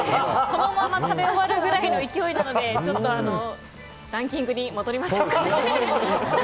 このまま食べ終わるぐらいの勢いなのでちょっとランキングに戻りましょうか。